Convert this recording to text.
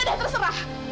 ya udah terserah